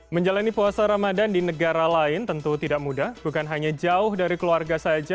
menjalani puasa ramadan di negara lain tentu tidak mudah bukan hanya jauh dari keluarga saja